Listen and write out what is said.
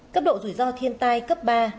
cấp độ rủi ro thiên tai cấp ba